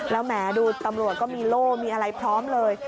แล้วแหมดูตำรวจก็มีโล่มีอะไรพร้อมเลย